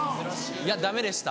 いやダメでした。